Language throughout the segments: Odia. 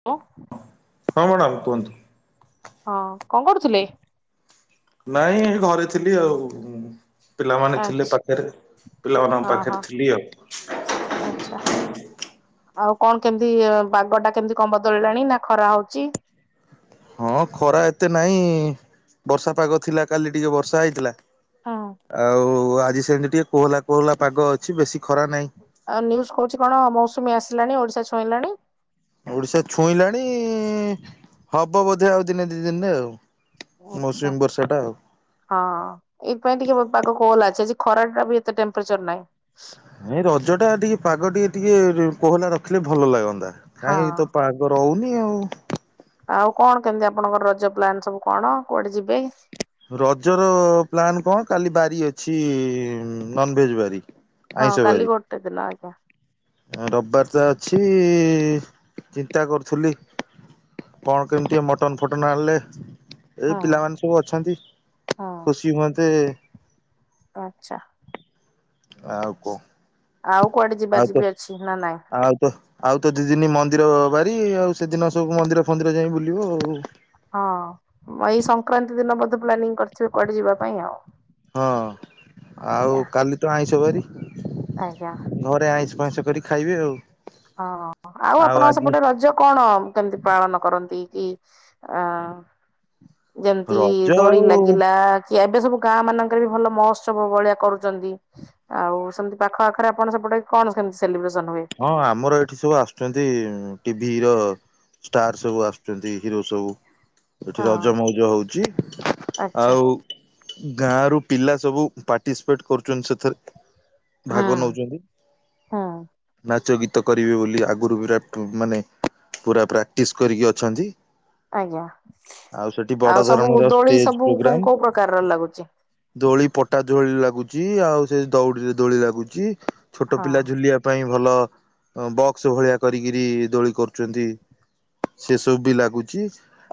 [unintelligible] ହଁ ମ୍ୟାଡ଼ାମ୍ କୁହନ୍ତୁ? ହଁ କଁ କରୁଥିଲେ? ନାଇଁ ଏଇ ଘରେ ଥିଲି ଆଉ ପିଲାମାନେ ଥିଲେ ଆଚ୍ଛା ପାଖରେ ପିଲାମାନଙ୍କ ଓହୋ ପାଖରେ ଥିଲି ଆଉ। ଆଚ୍ଛା। ଆଉ କଣ କେମିତି ବାଗଟା କେମିତି କଁ ବଦଳିଲାଣି ନା ଖରା ହଉଚି? ହଁ ଖରା ଏତେ ନାଇଁ ବର୍ଷା ପାଗ ଥିଲା କାଲି ଟିକେ ବର୍ଷା ହେଇଥିଲା। ହଁ ଆଉ ଆଜି ସେମିତି ଟିକେ କୋହଲା କୋହଲା ପାଗ ଅଛି ବେଶୀ ଖରା ନାହିଁ। ଆଉ ନ୍ୟୁଜ୍ କହୁଚି କଣ ମୌସୁମୀ ଆସିଲାଣି ଓଡିଶା ଛୁଇଁଲାଣି? ଓଡିଶା ଛୁଇଁଲାଣି ହବ ବୋଧେ ଆଉ ଦିନେ ଦି ଦିନରେ ଆଉ। ଆଚ୍ଛା। ମୌସୁମୀ ବର୍ଷାଟା ଆଉ। ହଁ ଏଇଥିପାଇଁ ଟିକେ ପାଗ କୋହଲା ଅଛି ଆଜି ଖରାଟାବି ଏତେ ଟେମ୍ପଚର ନାଇଁ। ହେ ରଜଟା ଟିକେ ପାଗ ଟିକେ ଟିକେ କୋହଲା ରଖିଲେ ଭଲ ଲାଗନ୍ତା ହଁ କାଇହିଁକିତ ପା ରଉନି ଆଉ। ଆଉ କଣ କେମତି ଆପଣଙ୍କର ରଜ ପ୍ଲାନ୍ ସବୁ କଣ କୁଆଡ଼େ ଯିବେ? ରଜର ପ୍ଲାନ୍ କଣ କାଲି ବାରି ଅଛି ନନଭେଜ୍ ବାରି। ହଁ କାଲି ଗୋଟେ ଦିନ ଆଜ୍ଞା। ରବିବାରତ ଅଛି ଚିନ୍ତା କରୁଥିଲି। କଣ କେମିତି ମଟନ୍ ଫୁଟନ୍ ଆଣିଲେ ଏଇ ହଁ ପିଲାମାନେ ସବୁ ଅଛନ୍ତି ହଁ ଖୁସି ହୁଅନ୍ତେ ଆଚ୍ଛା। ଆଉ କଁ? ଆଉ କୁଆଡ଼େ ଯିବାର ଯିବି ଅଛି ନା ନାଇଁ? ଆଉ ତ ଆଉତ ଦିଦିନି ମନ୍ଦିର ବାରି ଆଉ ସେଦିନ ସବୁ ମନ୍ଦିର ଫନ୍ଦିର ଯାଇ ବୁଲିବ ଆଉ। ହଁ ଏଇ ସଂକ୍ରାନ୍ତି ଦିନ ବୋଧେ ପ୍ଲାନିଂ କରିଥିବେ କୁଆଡ଼େ ଯିବା ପାଇଁ ଆଉ। ହଁ ଆଉ ଆଜ୍ଞା। କାଲିତ ଆଇଁଷ ବାରି। ଆଜ୍ଞା ଘରେ ଆଇଁଷ ଫାଇଁସ କରି ଖାଇବି ଆଉ। ହଁ ଆଉ ଆପଣଙ୍କ ସପଟେ ରଜ କଣ କେମିତି ପାଳନ କରନ୍ତିକି ଆଁ ଯେମିତି ରଜ ଦୋଳି ଆଉ ଲାଗିଲା କି ଏବେ ସବୁ ଗାଁ ମାନଙ୍କରେବି ଭଲ ମହୋତ୍ସବ ଭଳିଆ କରୁଚନ୍ତି। ଆଉ ସେମିତି ପାଖ ଆଖରେ ଆପଣ ସେପଟେ କଣ ସେମିତି ସେଲିବ୍ରେସନ ହୁଏ? ହଁ ଆମର ଏଠି ସବୁ ଆସୁଚନ୍ତି ଟି ହିରୋ ଷ୍ଟାର୍ ସବୁ ଆସୁଚନ୍ତି ହିରୋ ସବୁ ଏଠି ହଁ ରଜ ମଉଜ ହଉଚି ଆଚ୍ଛା ଆଉ ଗାଁର ପିଲା ସବୁ ପାର୍ଟିସିପେଟ କରୁଚନ୍ତି ସେଥିରେ ହଁ ଭାଗ ନଉଛନ୍ତି। ହଁ। ନାଚ ଗୀତ କରିବେ ବୋଲି ଆଗରୁ ବିରାତ ମାନେ ପୁରା ପ୍ରାକ୍ଟିସ୍ କରିକି ଅଛନ୍ତି। ଆଜ୍ଞା। ଆଉ ସେଠି ବଡ଼ ସବୁ ଧରଣର ଦୋଳି ଷ୍ଟେଜ୍ ସବୁ କୋଉ ପ୍ରୋଗ୍ରାମ। କୋଉ ପ୍ରକାରର ଲାଗୁଛି? ଦୋଳି ପଟା ଦୋଳି ଲାଗୁଚି ଆଉ ସେ ଦଉଡ଼ିରେ ଦୋଳି ଲାଗୁଚି ଛୋଟ ହଁ ପିଲା ଝୁଲିବା ପାଇଁ ଭଲ ବକ୍ସ ଭଳିଆ କରିକିରି ଦୋଳି କରୁଚନ୍ତି। ସେ ସବୁବି ଲାଗୁଚି।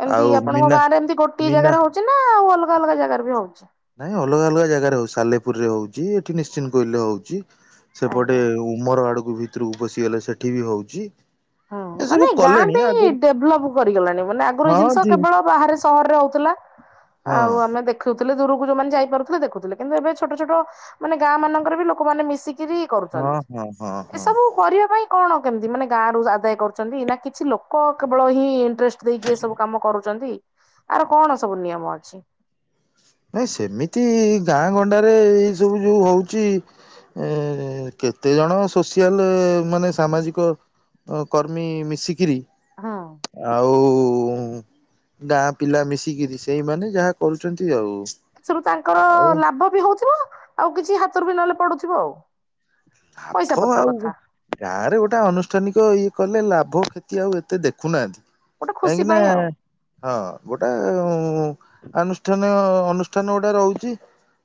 ଏମିତି ଆପଣଙ୍କ ଗାଁରେ ଏମିତି ଗୋଟଏ ଜାଗାରେ ହଉଚିନା ଆଉ ଅଲଗା ଅଲଗା ଜାଗାରେବି ହଉଚି? ନାଇଁ ଅଲଗା ଅଲଗା ଜାଗାରେ ହଉଚି ସାଲେପୁରରେ ହଉଚି ଏଠି ନିଶ୍ଚି କହିଲେ ହଉଚି। ସେପଟେ ଆଜ୍ଞା ଉମର ଆଡକୁ ଭିତରକୁ ପଶିଗଲେ ସେଠି ବି ହଉଚି। ହଁ ମାନେ ଗାଁ ବି ଡେଭଲପ କରିଗଲାଣି ମାନେ ଆଗରୁ ଏଇ ହଁ ଜିନିଷ ଦି କେବଳ ବାହାରେ ସହରରେ ହଉଥିଲା ହଁ ଆଉ ଆମେ ଦେ ଖୁଥିଲେ ଦୂରକୁ ଯୋଉମାନେ ଯାଇପାରୁଥିଲେ ଦେଖୁଥିଲେ କିନ୍ତୁ ଏବେ ଛୋଟ ଛୋଟ ମାନେ ଗାଁ ମାନଙ୍କର ବି ଲୋକମାନେ ମିଶିକିରି ହଁ କରୁଚନ୍ତି ହଁ ହଁ ହଁ। ଏସବୁ କରିବା ପାଇଁ କଣ କେମିତି ମାନେ ଗାଁ ରରୁ ଆଦାୟ କରୁଛନ୍ତି ନା କିଛି ଲୋକ କେବଳ ହିଁ ଟ୍ରେଷ୍ଟ ଦେଇକି ଏ ସବୁ କାମ କରୁଚନ୍ତି ଆର କଣ ସବୁ ନିୟମ ଅଛି? ନାଇଁ ସେମିତି ଗାଁ ଗଣ୍ଡାରେ ଏଇ ସବୁ ଯୋଉ ହଉଚି ଏ କେତେ ଜଣ ସୋସିଆଲ ମାନେ ସାମାଜିକ ଅ କର୍ମୀ ମିଶିକିରି ହଁ। ଆଉ ଗାଁ ପିଲା ମିଶିକିରି ସେଇମାନେ ଯାହା କରୁଛନ୍ତି ଆଉ। ଏଥିରୁ ତାଙ୍କର ଆଉ ଲାଭ ବି ହଉଥିବ ଆଉ କିଛି ହାତରୁ ବି ନହେଲେ ପଡୁଥିବ ଆଉ। ପଇସା ଲାଭ ପତ୍ର କଥା ଆଉ ଗାଁ ରେ ଗୋଟେ ଆନୁଷ୍ଠାନିକ ଇଏ କଲେ ଲାଭ କ୍ଷତି ଆଉ ଏତେ ଦେଖୁନାହାନ୍ତି। ଗୋଟେ ଖୁସି କାହିଁକିନା ପାଇଁ ଆଉ ହଁ ଗୋଟେ ଆୁଷ୍ଠାନିକ ଅନୁ ଅନୁଷ୍ଟାନ ଗୋଟା ରହୁଛି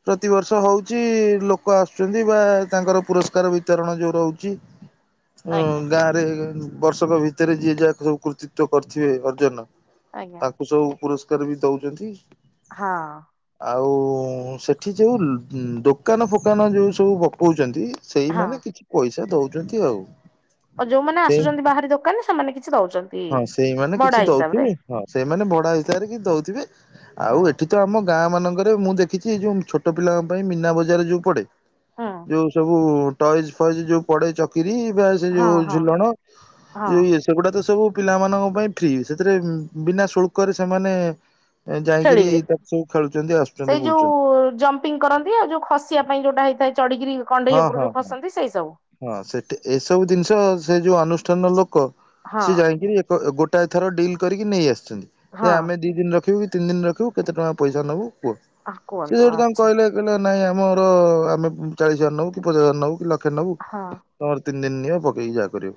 ପ୍ରତିବର୍ଷ ହଉଛି ଲୋକ ଆସୁଛନ୍ତି ବା ତାଙ୍କର ପୁର କାର ବିତରଣ ଯୋଉ ରହୁଛି, ଆଜ୍ଞା ଗାଁ ବର୍ଷକ ଭିତରେ ଯିଏ ଯାହା ସବୁ କୃତିତ୍ୱ କରିଥିବେ ଅର୍ଜନ ଆଜ୍ଞା। ତାଙ୍କୁ ସବୁ ପୁରସ୍କାର ବି ଦଉଛନ୍ତି। ହଁ। ଆଉ ସେଠି ଯୋଉ ଦୋକାନ ଫୋକାନ ଯୋଉ ସବୁ ପକଉଛନ୍ତି ହଁ। ସେଇମାନେ କିଛି ପଇସା ଦଉଛନ୍ତି ଆଉ। ଆଉ ଯୋଉମାନେ ସେଇ ଆସୁଛନ୍ତି ବାହାରି ଦୋକାନ ସେମାନେ କିଛି ଦଉଛନ୍ତି ହଁ ସେଇମାନେ କିଛି ମଡା ହିସାବ ରେ। ଦଉଥିବେ ହଁ ସେମାନେ ବଡା ହିସାବରେ କି ଦଉଥିବେ ଆଉ ହଁ ଏଠି ତ ଆମ ଗାଁ ମାନଙ୍କ ମୁଁ ଦେଖିଛି ଯୋଉ ଛୋଟ ପିଲାଙ୍କ ପାଇଁ ମୀନା ବଜାର ଯୋଉ ପଡେ, ହୁଁ ଯୋଉ ସବୁ ଟଏଜ୍ ଫଏଜ ଯୋଉ ପଡେ ଚକିରି ବା ସେ ହଁ ଯୋଉ ହଁ ଝୁଲଣ ହଁ ଯୋଉ ସେଗୁଡା ତ ସବୁ ପିଲାମାନଙ୍କ ପାଇଁ ଫ୍ରି ସେଥିରେ ବିନା ଶୁଳ୍କରେ ସେମାନେ ଯାଇକିରି ଖେଳିବେ। ତାକୁ ସବୁ ଖେଳୁଛନ୍ତି ଆସୁଛନ୍ତି ବୁଲୁଛନ୍ତି। ଜମ୍ପିଂ କରନ୍ତି ଆଉ ଖସିବା ପାଇଁ ଯୋଉଟା ହେଇଥାଏ ଚଢିକିରି କଣ୍ଢେଇ ହଁ ଉପରୁ ହଁ ଯୋଉ ହଁ ଖସନ୍ତି ସେଇ ସବୁ। ହଁ ସେଠି ଏସବୁ ଜିନିଷ ସେ ଯୋଉ ଅନୁଷ୍ଠାନର ଲୋକ ହଁ ସିଏ ଯାଇକିରି ଏକ ଗୋଟାଏ ଥର ଡିଲ୍ କରିକି ନେଇ ଆସିଛନ୍ତି। ଯେ ଆମେ ହଁ ଦି ଦିନ ରଖିବୁ କି ତିନି ଦିନ ରଖିବୁ କେତେ ଟଙ୍କା ପଇସା ନବୁ କୁହ ସେ କୁହନ୍ତୁ ଯୋଉଠି ତାଙ୍କୁ ଆଚ୍ଛା କହିଲେ ନାଇଁ ଆମର ଆମେ ଚାଳିଶ ହଜାର ନବୁ କି ପଚା ହଜାର ନବୁ କି ଲକ୍ଷେ ନବୁ। ହଁ ତମର ତିନି ଦିନ ନିଅ ପକେଇକି ଯା କରିବ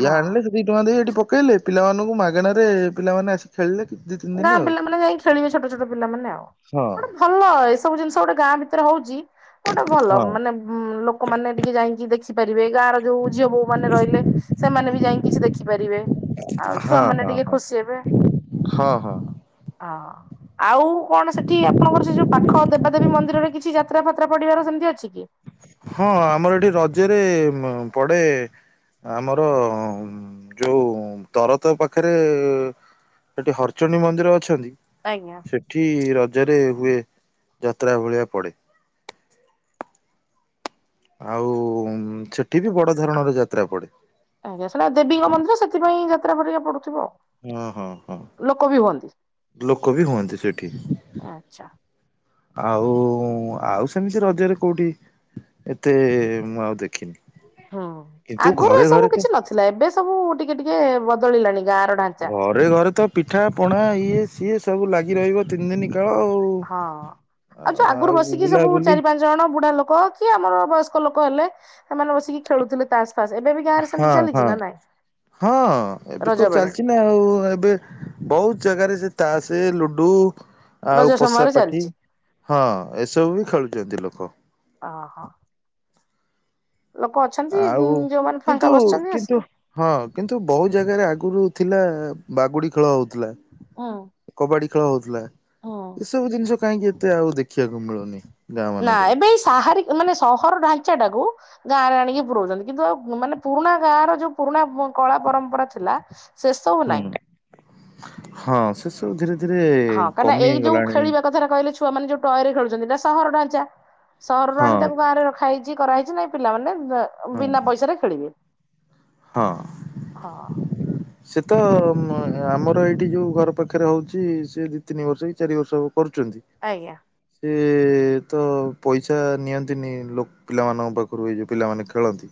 ଇଏ ହଁ। ଆଣଲେ ଦି ଟଙ୍କା ଦେଇ ଏଠି ପକେଇଲେ ପିଲାମାନଙ୍କୁ ମାଗଣାରେ ପିଲମାନେ ଆସ ଖେଳଲେ ଦି ଦିନ ଗାଁ ଆଉ। ପିଲାମାନେ ଯାଇକି ଖେଳିବେ ଛୋଟ ଛୋଟ ପିଲାମାନେ ଆଉ, ହଁ ଗୋଟେ ଭଲ ଏସବୁ ଜିନିଷ ଗୋଟେ ଗାଁ ଭିତରେ ହଉଚି, ଗୋଟେ ଭଲ ହଁ ମାନେ ହୁଁ ଲୋକମାନେ ଟିକେ ଯାଇକି ଦେଖି ଦେଖିପାରିବେ ଗାଁ ର ଯୋଉ ଝିଅ ବୋଉ ମାନେ ରହିଲେ ସେମାନେ ବି ଯାଇକି କିଛି ଦେଖିପାରିବେ। ଆଉ ଛୁଆ ହଁ ମାନେ ହଁ ଟିକେ ହଁ ଖୁସି ହେବେ। ହଁ ହଁ। ହଁ। ଆଉ କଣ ସେଠି ଆପଣଙ୍କର ସେ ଯୋଉ ପାଖ ଦେବାଦେବୀ ମନ୍ଦିରରେ କିଛି ଯାତ୍ରା ଫାତ୍ରା ପଡିବାର ସେମିତି ଅଛି କି? ହଁ ଆମର ଏଠି ରଜରେ ପଡେ ଆମର ଯୋଉ ତରତ ପାଖରେ ସେଠି ହର୍ଚନୀ ମନ୍ଦିର ଅଛନ୍ତି? ଆଜ୍ଞା। ସେଠି ରଜରେ ହୁଏ ଯାତ୍ରା ଭଳିଆ ପଡେ। ଆଉ ସେଠି ବି ବଡ ଧରଣର ଯାତ୍ରା ପଡେ। ଆଜ୍ଞା ସେଇଟା ଦେବୀଙ୍କନ୍ଦିର ସେଥି ପାଇଁ ଯାତ୍ରା ହେରିକା ପଡୁଥିବ। ହଁ ହଁ ହଁ ଲୋକ ବି ହୁଅନ୍ତି ଲୋକ ବି ହୁଅନ୍ତି ସେଠି। ଆଚ୍ଛା ଆଉ ଆଉ ସେମିତି ରଜରେ କୋଉଠି ଏତେ ମୁଁ ଆଉ ଦେଖିନି। ହୁଁ କିନ୍ତୁ ଆଗରୁ ଏ ଘରେ ସବୁ ଘରେ ତ କିଛି ନଥିଲା ଏବେ ସବୁ ଟିକେ ଟିକେ ବଦଳିଲାଣି ଗାଁ ର ଘରେ ଘରେ ତ ପିଠା ପଣା ଇଏ ସିଏ ସବୁ ଲାଗି ରହିବ ତିନି ଦିନ କାଳ ଆଉ। ହଁ ଆଉ ଯୋଉ ଆଗରୁ ଆଉ ବସିକି ସବୁ ବୁଲାବୁଲି ଚାରି ପାଞ୍ଚ ଜଣ ବୁଢା ଲୋକ କି ଆମର ବୟସ୍କ ଲୋକ ହେଲେ ସେମାନେ ବସିକି ଖେଳୁଥିଲେ ତାସ ଏବେ ବି ଗାଁରେ ସେମିତି ହଁ ଚାଲିଛି ହଁ ନା ନାଇଁ ହଁ ଏବେ ରଜ କ ବେଳେ ଚାଲିଛି ଆଉ ଏବେ ବହୁତ ଜାଗାରେ ସେ ତାସ ଲୁଡୁ ଆଉ ରଜ ସମୟରେ ପୋଷାପାଠି ଚାଲିଛି ହଁ ଏସବୁ ବି ଖେଳୁଛନ୍ତି ଲୋକ। ଓ ହୋ। ଅଛନ୍ତି ଆଉ ଯୋଉମାନେ ଫାଙ୍କା କିନ୍ତୁ ବସିଛନ୍ତି କିନ୍ତୁ ଆସିକି ହଁ କିନ୍ତୁ ବହୁ ଜାଗାରେ ଆଗରୁ ଥିଲା ବାଗୁଡି ଖେଳ ହଉଥିଲା। ହଁ। କବାଡି ଖେଳ ହଉଥିଲା। ଏସବୁ ଜିନିଷ କାହିଁକି ଏତେ ଆଉ ଦେଖିବାକୁ ମିଳୁନି ଗାଁ ମାନଙ୍କରେ। ନାଇଁ ସାହାରୀ ମାନେ ସହର ଢାଞ୍ଚା ଟାକୁ ଗାଁରେ ଆଣିକି ପୁରଉଛନ୍ତି। କିନ୍ତୁ ଆ ମାନେ ପୁରୁଣା ଗାଁ ର ଯୋଉ ପୁରୁଣା କଳା ପରମ୍ପରା ଥିଲା ଶେଷ ସବୁ ହୁଁ ନାଇଁ। ହଁ ସେ ସବୁ ଧୀରେ ଧୀରେ କମି ହେଇଗଲାଣି। କଥା କହିଲେ ଛୁ ମାନେ ଯଉ ଟଏରେ ଖେଳଛନ୍ତିଇା ସହର ଢାଞ୍ଚା, ସହରରୁ ହଁ ଆଣି ତାକୁ ବାହାରେ ରଖା ହେଇଛିା କରା ହେଇଛି ନାଇ। ପିଲାମାନେ ବେ ହଁ ବିନା ପଇସା ଖେଳିବେ। ହଁ। ସେ ତ ଆମର ଏଇଠି ଯେଉଁ ଘର ପାଖରେ ହଉଛି ସେ ଦୁଇ ତିନି ବର୍ଷ କି ଚାରି ବର୍ଷ କରୁଛନ୍ତି। ଆଜ୍ଞା। ସିଏ ସେ ତ ପଇସା ନିଅନ୍ତିନି ଲ ପିଲାମାନଙ୍କ ପାଖରୁ ଏ ଯଉ ପିଲାମାନେ ଖେଳନ୍ତି।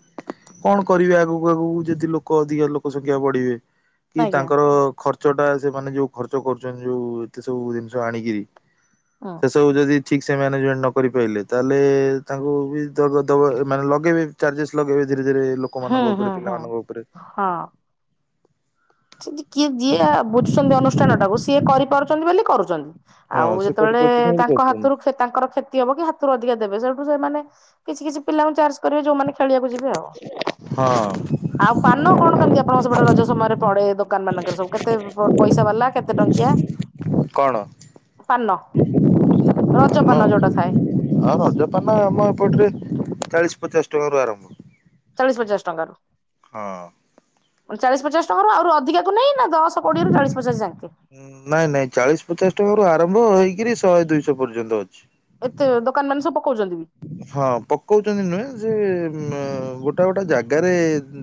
କଣ କରିବେ ଆଗକୁ ଆଗକୁ ଯଦି ଲୋକ ଅଧିକା ଲୋକ ସଂଖ୍ୟା ବଢିବେ କି ଆଜ୍ଞା ତାଙ୍କର ଖ ର୍ଚ୍ଚ ଟା ସେମାନେେ ଯୋଉ ଖର୍ଚ୍ଚ କରୁଛନ୍ତି ଯୋଉ ଏତେ ସବୁ ଜିନିଷ ଆଣିକିରି ହଁ। ସେସବୁ ଯଦି ଠିକ୍ ସେ ମ୍ୟାନେଜମେଣ୍ଟ ନ କରିପାରିଲେ ତାହେଲେ ତାଙ୍କୁ ବି ଦେବା ମାନେ ଲଗାଇବେ। ଚାର୍ଜେସ୍ ଲଗେଇବେ ଧୀରେ ଧୀରେ ଲୋକମାନଙ୍କ ଓ ଉପରେ। ହଁ ପିଲାମାନଙ୍କ ଉପରେ ହଁ। [unintelligible] ବୁଝୁଛନ୍ତି ଅନୁଷ୍ଠାନ ଟାକୁ ସିଏ କରିପାରୁଛନ୍ତି ବୋଲି କରୁଛନ୍ତି। ହଁ ଆଉ ସେ ଯେତେବେଳେ କରିପାରୁଛନ୍ତି ବୋଲି ତାଙ୍କ ହାତରୁ କ୍ଷ ତାଙ୍କ କ୍ଷତି ହବ କି ହାତରୁ ଅଧିକା ଦେବେ, ସେଇଠୁ ସେମାନେ କିଛି କିଛି ପିଲାଙ୍କୁ ଚାର କରିବେ ଯୋଉମାନେ ଖେଳିବାକୁ ଯିବେ ଆଉ। କରୁଛନ୍ତି ଆଉ ପାନ କଣ କେମିତି ଆପଣଙ୍କ ସେପଟେ ରଜ ସମୟରେ? ପଡେ ଦୋକାନ ମାନଙ୍କରେ ସବୁ। କେତେ ପଇସା ବାଲା କେତେ ଟଙ୍କିଆ? ହଁ କଣ? ପାନ, ରଜ ପାନ ଯୋଉଟା ଥାଏ। ହଁ ରଜ ପାନ ଆମ ଏପଟରେ ଚାଳିଶ୍ ପଚାଶ ଟଙ୍କାରୁ ଆରମ୍ଭ। ଚାଳିଶ ପଚାଶ ଟଙ୍କାରୁ ହଁ। ଚାଳିଶ ପଚାଶ ଟଙ୍କାରୁ ଆହୁରି ଅଧିକା କୁ ନାହିଁ? ଦଶ କୋଡିଏରୁ ଚାଳିଶ ପଚାଶ ଯାଙ୍କେ। ନାଇଁ ନାଇଁ ଚାଳିଶ ପଚାଶ ଟଙ୍କା ରୁ ଆରମ୍ଭ ହେଇକିରି ଶହେ ଦୁଇଶହ ପର୍ଯ୍ୟନ୍ତ ଅଛି। ଏତେ ଦୋକାନ ମାନେ ସବୁ ପକାଉଛନ୍ତି ବି? ହଁ। ପକଉଛନ୍ତି ନୁହେଁ, ସେ ଗୋଟା ଗୋଟା ଜାଗାରେ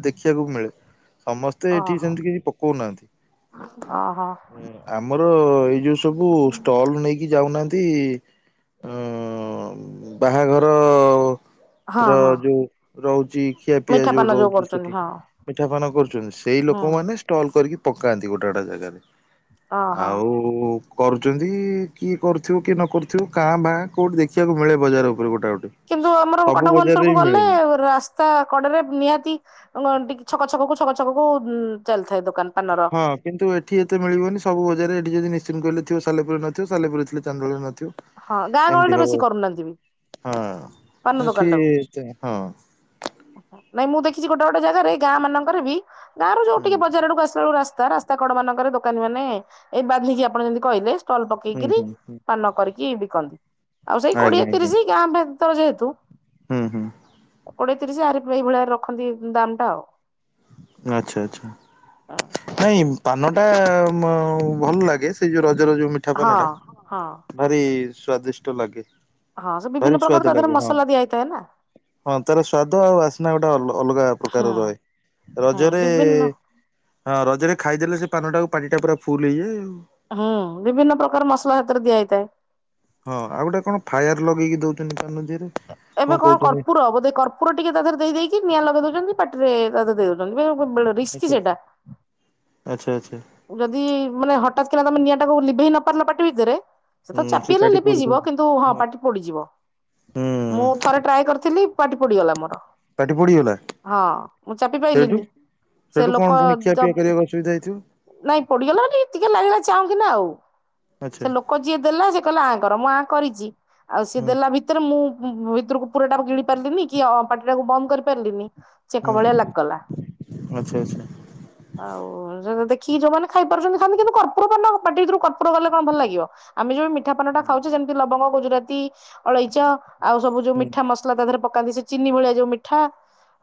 ଦେଖିବାକୁ ମିଳେ। ସମସ୍ତେ ଏଠି ବି ଓହୋ ସେମିତି କିଛି ପକଉନାହାନ୍ତି। ଓହୋ ଆମର ଏଇ ଯୋଉ ସବୁ ଷ୍ଟଲ୍ ନେଇକି ଯାଉନାହାନ୍ତି ବାହାଘର ହଁ ର ହଁ। ଯୋଉ ରହୁଚି ଖିଆପିଆ ମିଠା ପାନ ଯୋଉ ରହୁଚି କରୁଛନ୍ତି ସେଠି ହଁ ମିିଠା ପାନ କରୁଛନ୍ତି, ସେଇ ହୁଁ ଲୋକମାନେ ଷ୍ଟଲ୍ କରିକି ପକାନ୍ତି ଗୋଟେ ଗୋଟେ ଜାଗାରେ। ଓହୋ। ଆଉ ଓ କରୁଚନ୍ତି କିଏ କରୁଥିବ କିଏ ନ କରୁଥିବ କାଁ ଭା କୋଉଠି ଦେଖିବାକୁ ମିଳେ ବଜାର ଉ ଉପରେ ଗୋଟା ଗୋଟେ। କିନ୍ତୁ ଆମର ସବୁ କଟକ ଭୁବନେଶ୍ୱର ବଜାରରେ କୁ ବି ଗଲେ ମିଳେନି। ରାସ୍ ରାସ୍ତା କଡରେ ନିହାତି ଟିକେ ଛକ ଛକକୁ ଛକ ଛକକୁ ଚାଲିଥାଏ ଦୋକାନ ପାନର। ହଁ। କିନ୍ତୁ ଏଠି ଏତେ ମିଳିବନି ସବୁ ବଜାର ରେ ଏଠି ଯଦି [unintelligible] ରେ ସାଲେପୁରରେ ନଥିବ ସାଲେପୁର ରେ ଥିଲେ ରେ ଚାନ୍ଦବାଲି ରେ ନଥିବ। ହଁ ଗାଁ ଏମତି ଗହଳିରେ ହବ। ବେଶୀ କରୁନାହାନ୍ତି ବି ହଁ, ପାନ ଦୋକାନ ଟାକୁ। ଏଠି ହଁ। ନାଇଁ ମୁଁ ଦେଖିଚି ଗୋଟେ ଗୋଟେ ଜାଗାରେ ଗାଁ ମାନଙ୍କରେ ବି ଗାଁ ରୁ ଯୋଉ ହୁଁ ଟିକେ ବଜାର ଆଡକୁ ଆସିଲା ବେଳକୁ ରାସ୍ତା, ରାସ୍ତା କଡ ମାନଙ୍କରେ ଦୋକାନୀ ମାନେ ଏ ବାନ୍ଧିକି ଆପଣ ଯେମିତି କହିଲେ ଷ୍ଟଲ ହୁଁ ପକେଇକିରି ହୁଁ ହୁଁ। ପାନ କରିକି ବିକନ୍ତି। ଆଉ ସେଇ ଆଜ୍ଞା କୋଡିଏ ଆଜ୍ଞା ତିରିଶ ଗାଁ ତ ଯେହେତୁ ହୁଁ ହୁଁ। କୋଡିଏ ତିରିଶି ଆରି ଏଇଭଳିଆ ରଖନ୍ତି ଦାମ୍ ଟା ଆଉ। ଆଚ୍ଛା ଆଚ୍ଛା। ଆଚ୍ଛା ନାଇଁ ପାନଟା ମ ଭଲ ଲାଗେ ସେଇ ଯୋଉ ରଜରଜ ଯୋଉ ମିଠା ହଁ ପାନ ଟା। ହଁ ଭାରି ସ୍ଵାଦିଷ୍ଟ ଲାଗେ। ହଁ ସେ ଭାରି ବିଭିନ୍ନ ପ୍ରକାର ସ୍ଵାଦ ତା ଦେହେରେ ଲାଗେ ହଁ ମସଲା ଦିଆ ହେଇଥାଏ ନା। ହଁ ତାର ସ୍ଵାଦ ଆଉ ବାସ୍ନା ଗୋଟେ ଅଲ ଅଲଗା ହୁଁ ପ୍ରକାର ରହେ। ହୁଁ ରଜରେ ବିଭିନ୍ନ ହଁ ରଜରେ ଖାଇଦେଲେ ସେ ପାନ ଟାକୁ ପାଟି ଟା ପୁରା ଫୁଲ ହେଇଯାଏ ଆଉ। ହୁଁ ବିଭିନ୍ନ ପ୍ରକାର ମସଲା ହେଥିରେ ଦିଆହେଇଥାଏ। ହଁ ଆଉ ଗୋଟେ କଣ ଫାୟାର ଲଗେଇକି ଦଉଛନ୍ତି ପାନ ଦିହରେ। ଏବେ କଣ କର୍ପୁର ବୋଧେ କର୍ପୁ କର୍ପୁର ଟିକେ ତା ଦେହରେ ଦେଇ ଦେଇକି ନିଆଁ ଲଗେଇ ଦଉଛନ୍ତି ପାଟିରେ ତା ଦେହରେ ଦେଇ ଦେଉଛନ୍ତି। [unintelligible] ରିସ୍କି ସେଟା। ଆଚ୍ଛା ଆଚ୍ଛା ଯଦି ମାନେ ହଠାତ୍ କିନା ତମେ ନିଆଁ ଟାକୁ ଲିଭେଇ ନ ପାରିଲ ପାଟି ଭିତେରେ ସେ ତ ହୁଁ ଚାପି ହେଲେ ପାଟି ପୋଡିଦଉ ଲିଭିଯିବ। କିନ୍ତୁ ହଁ ପାଟି ପୋଡିଯିବ। ହୁଁ ମୁଁ ଥରେ ଟ୍ରାଏ କରିଥିଲି ପାଟି ପୋଡିଗଲା ମୋର। ପାଟି ପୋଡିଗଲା ହଁ ମୁଁ ଚାପି ପାଇଲିିନି। ସେଠୁ କଣ ପୁଣିି ଖିଆ ପିଆ କରିଆକୁ ଅସୁବିଧା ହେଇଥିବ। ନାଇଁ ପୋଡିଗଲା ବୋଲି ଟିକେ ଲାଗିଲା ଚାଉଁ କିିନା ଆଉ। ଆଚ୍ଛା। ସେ ଲୋକ୍ ଲୋକ ଯିଏ ଦେଲା ସେ କହିଲା ଆଁ କର ମୁଁ ଆ କରିଛି। ଆଉ ସିଏ ହୁଁ ଦେଲା ଭିତ୍ ଭିତରେ ମୁଁ ଉଁ ଭିତୁରୁକୁ ପୁରା ଟା ଗିଳି ପାରିଲିନି କି ଅଁ ପାଟି ଟାକୁ ବନ୍ଦ କରି ପାରିଲିନି। ଚେକ ହୁଁ ଭଳିଆ ଲାଗିଗଲା। ଆଚ୍ଛା ଆଚ୍ଛା ଆଉ ଯ ଦେଖିକି ଯୋଉମାନେ ଖାଇପାରୁଛନ୍ତି ଖାନ୍ତୁ କିନ୍ତୁ କର୍ପୁର ପାନ ପାଟି ଭିତରୁକୁ କର୍ପୁର ଗଲେ କଣ ଭଲ ଲାଗିବ। ଆମେ ଯୋଉ ମିଠା ପାନ ଟା ଖାଉଛେ ଯେମିତି ଲବଙ୍ଗ, ଗୁଜୁରାତି, ଅଳେଇଚ, ଆଉ ସବୁ ଯୋଉ ମିଠା ମସ୍ ସଲା ତା ଦେହରେ ପକାନ୍ତି ସେ ଚିନି ଭଳିଆ ଯୋଉ ମିଠା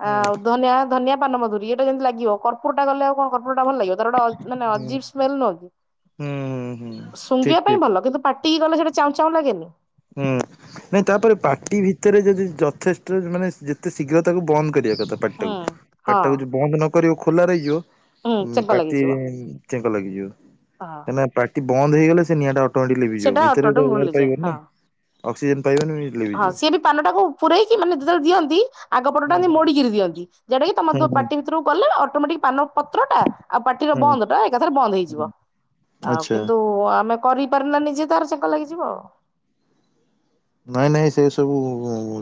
ହୁଁ ଆଉ ଧନିଆ ଧନିଆ, ପାନମଧୁରୀ ଏ କଲେ ଯେମିତି ଲାଗିବ କର୍ପୁରଟା ଗଲେ ଆଉ କଣ କର୍ପୁର ଟା ଭଲ ଲାଗିବ। ତାର ଗୋଟେ ଅ ମାନେ ହୁଁ ଆଜିବି ସ୍ମେଲ୍ ନୁହଁର କି। ହୁଁ ହୁଁ ଠିକ ଶୁଙ୍ଗିବା ଠିକ। ପାଇଁ ଭଲ କିନ୍ତୁ ପା ଟି ଗଲେ ସେଟା ଚାଉଁ ଚାଉଁ ଲାଗେନି। ହୁଁ। ନାଇଁ ତାପରେ ପାଟି ଭିତେରେ ଯଦି ଯଥେଷ୍ଟ ମାନେ ଯେତେ ଶୀଘ୍ର ତାକୁ ବନ୍ଦ କରିଆ କଥା। ହୁଁ ପାଟିଟାକୁ ହଁ। ପାଟିଟାକୁ ଯୋଉ ବନ୍ଦ ନ କରିବ ଖୋଲା ରହିଯିବ। ହୁଁ ଉଁ ଚେଙ୍କ ପାଟି ଚେଙ୍କ ଲାଗିଯିବ। ଅହ। ନା ପାଟି ବନ୍ଦ ହେଇଗଲେ ସେ ନିଆଁ ଟା ଅଟୋମେଟିକ ଲିଭି ଯିବ। ସେଟା ଅଟୋ ଭିତର କୁ ଅଟୋ ଆଉ ଏୟାର ମିଳିଯାଏ ପାଇବନି ନା ହଁ। ଅକ୍ସିଜେନ ପାଇବନି। ହଁ ଲିଭିଯିବ। ସିଏ ବି ପାନଟାକୁ ପୁରରେଇକି ମାନେ ଯେତେବେଳେ ଦିଅନ୍ତି ଆଗ ପଟଟା ହୁଁ ଏମିତି ହୁଁ ମୋଡିକିରି ଦିଅନ୍ତି। ଯେଇଟା କି ତମ ଦ ହୁଁ ପାଟି ଭିତୁରୁକୁ ଗଲେ ଅଟୋମେଟିକ ପାନ ପତ୍ର ଟା ଆଉ ପାଟିର ହୁଁ ହୁଁ ବନ୍ଦ ଟା ଏକାଥରେ ବନ୍ଦ ହୁଁ। ହେଇଯିବ,। ଆଉ ଆଚ୍ଛା କିନ୍ତୁ ଆମେ କରିପାରିଲାନି ଯେ ତାର ଚେଙ୍କ ଲାଗିଯିବ ଆଉ। ନାଇଁ ନାଇଁ ସେ ସବୁ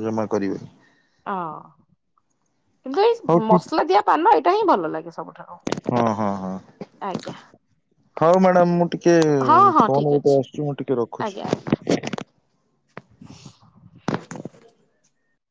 ଜମା କରିବେନି। ହଁ କିନ୍ତୁ ଏଇ ହଉ ଠିକ ମସଲା ଦିଆ ପାନ ଏଇଟା ହିଁ ଭଲ ଲାଗେ ସବୁଠାରୁ। ହଁ ହଁ ହଁ। ଆଜ୍ଞା ହଉ ମ୍ୟାଡାମ୍ ମୁଁ ଟିକେ ହଁ ହଁ ଫୋନ୍ ଠିକ ଅଛି ଗୋଟେ ଆସୁଚି ମୁଁ ଟିକେ ରଖୁଛି। ହୁଁ [inaudible]